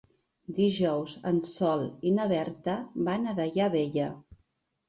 Dijous en Sol i na Berta van a Daia Vella.